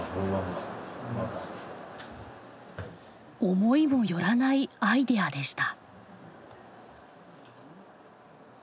思いも寄らないアイデアでした。